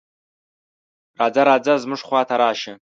"راځه راځه زموږ خواته راشه".